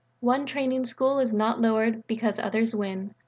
One training school is not lowered because others win.